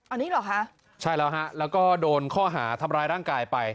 อันนี้เหรอคะใช่แล้วฮะแล้วก็โดนข้อหาทำร้ายร่างกายไป